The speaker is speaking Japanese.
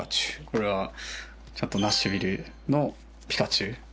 これはナッシュビルのピカチュウ。